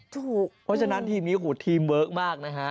เพราะฉะนั้นทีมนี้ก็คือทีมเวิร์กมากนะฮะ